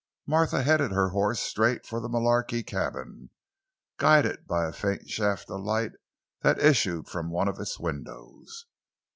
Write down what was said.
Martha headed her horse straight for the Mullarky cabin, guided by a faint shaft of light that issued from one of its windows.